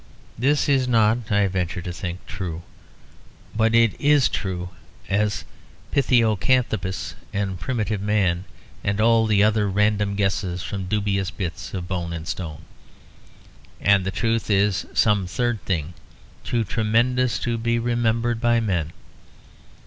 This is not (I venture to think) true; but it is true as Pithecanthropus and Primitive Man and all the other random guesses from dubious bits of bone and stone. And the truth is some third thing, too tremendous to be remembered by men.